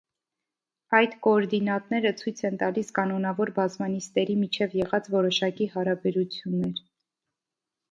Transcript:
Այդ կոորդինատները ցույց են տալիս կանոնավոր բազմանիստերի միջև եղած որոշակի հարաբերություններ։